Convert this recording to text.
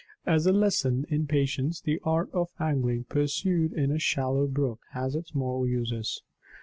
As a lesson in patience, the art of angling pursued in a shallow brook has its moral uses.